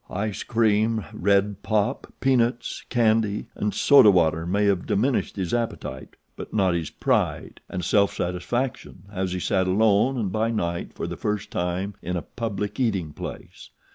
Ice cream, red pop, peanuts, candy, and soda water may have diminished his appetite but not his pride and self satisfaction as he sat alone and by night for the first time in a public eating place.